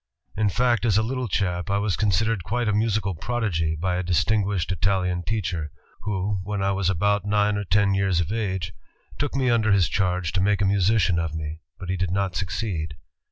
... In fact as a little chap I was considered quite a musical prodigy, by a distinguished Italian teacher ... who, when I was about nine or ten years of age, took me under his charge to make a musician of me, but he did not succeed.